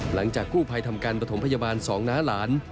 หลังจากกู้ภัยทำการประถมพยาบาลสองน้าหลาน